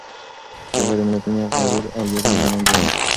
جګړه د ملتونو غرور او ویاړونه له منځه وړي.